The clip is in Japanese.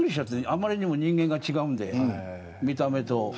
あまりにも人間が違うんで見た目と。